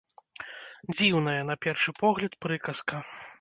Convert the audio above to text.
Дзіўная, на першы погляд, прыказка.